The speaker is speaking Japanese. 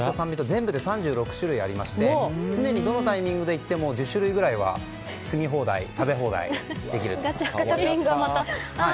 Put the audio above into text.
全部で３６種類ありまして常にどのタイミングで行っても１０種類くらいは摘み放題食べ放題ができるんです。